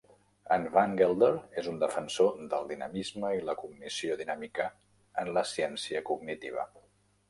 En Van Gelder és un defensor del dinamisme i la cognició dinàmica en la ciència cognitiva.